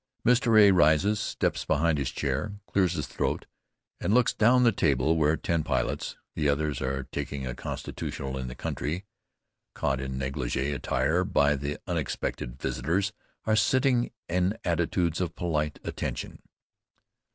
Mr. A. rises, steps behind his chair, clears his throat, and looks down the table where ten pilots, the others are taking a constitutional in the country, caught in négligée attire by the unexpected visitors, are sitting in attitudes of polite attention.